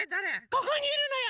ここにいるのよ！